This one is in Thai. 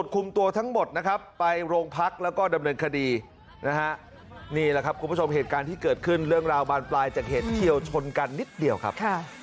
จะชนกันนิดเดียวครับ